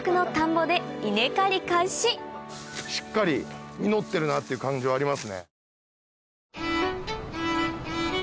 しっかり実ってるなっていう感じはありますね。